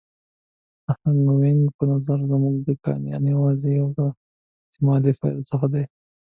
د هاوکېنګ په نظر زموږ کاینات یوازې یو له ډېرو احتمالي پایلو څخه دی.